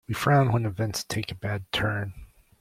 We frown when events take a bad turn.